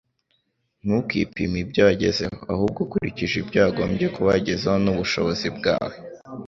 Ntukipime ibyo wagezeho, ahubwo ukurikije ibyo wagombye kuba wagezeho n'ubushobozi bwawe.”